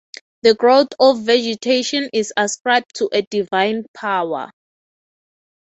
The growth of vegetation is ascribed to a divine power.